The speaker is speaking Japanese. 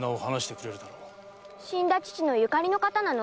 死んだ父の縁の方なの？